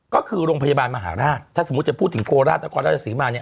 ก็คือโรงพยาบาลมหาราชถ้าสมมุติจะพูดถึงโคราชนครราชสีมาเนี่ย